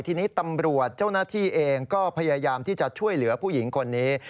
ทีนี้ตำรวจเจ้าหน้าที่เองก็พยายามที่จะช่วยเหลือผู้หญิงคนนี้